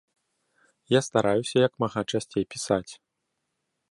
Я стараюся як мага часцей пісаць.